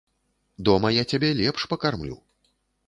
Дома я цябе лепш пакармлю.